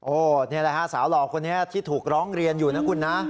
โอ้นี่ล่ะฮะสาวหลอกคนนี้ที่ถูกร้องเรียนอยู่นะครับคุณนะ